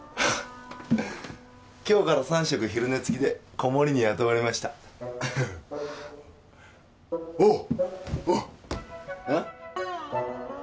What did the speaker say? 今日から３食昼寝付きで子守に雇われましたおうッおうああ？